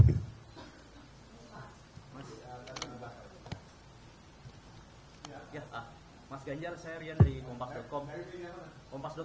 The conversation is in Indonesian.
mas ganjar saya rian dari kompas com